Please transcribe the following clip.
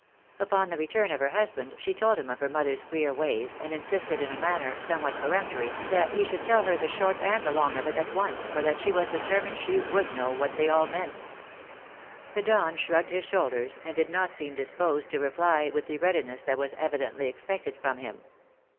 Upon the return of her husband she told him of her mother's queer ways, and insisted in a manner, somewhat peremptory, that INADEQUATE REMUNERATION. 223 he sliould tell her the short and the long of it at once, for that she was determined she would know what they all meant. The Don shrugged his shoulders, and did not seem disposed to reply with the readiness that was evidently expected from him.